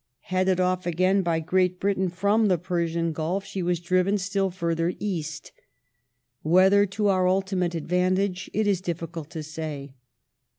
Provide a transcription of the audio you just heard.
Headed off' again by Great Britain from the Persian Gulf, she was driven still further east. Whether to our ultimate advantage it is difficult to say.